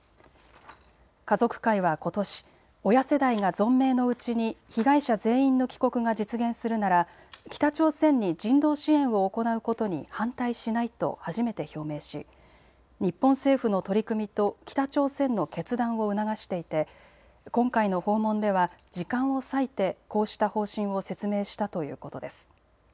家族会はことし、親世代が存命のうちに被害者全員の帰国が実現するなら北朝鮮に人道支援を行うことに反対しないと初めて表明し、日本政府の取り組みと北朝鮮の決断を促していて今回の訪問では時間を割いてこうした方針を説明したということです。